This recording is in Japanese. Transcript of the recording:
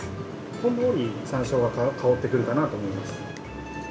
ほんのり山椒が香ってくるかなと思います。